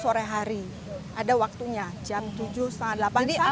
sinar matahari pagi atau sore hari ada waktunya jam tujuh setengah delapan sampai setengah sembilan